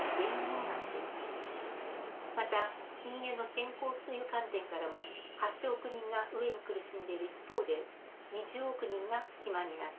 また人間の健康という観点からも８億人が飢えに苦しんでいる一方で２０億人が肥満になっています。